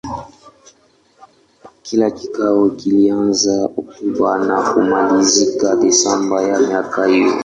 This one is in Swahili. Kila kikao kilianza Oktoba na kumalizika Desemba ya miaka hiyo.